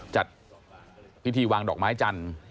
จัดพิธีวางดอกไม้จันทร์